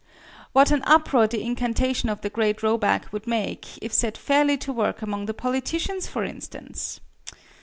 What an uproar the incantation of the great Roback would make, if set fairly to work among the politicians, for instance!